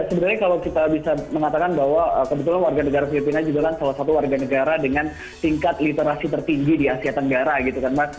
sebenarnya kalau kita bisa mengatakan bahwa kebetulan warga negara filipina juga kan salah satu warga negara dengan tingkat literasi tertinggi di asia tenggara gitu kan mas